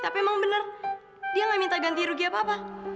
tapi emang bener dia nggak minta ganti rugi apa apa